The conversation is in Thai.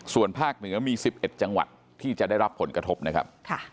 ส่วนภาคเหนือมี๑๑จังหวัดที่จะได้รับผลกระทบนะครับ